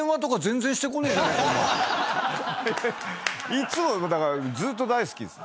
いつもだからずーっと大好きです。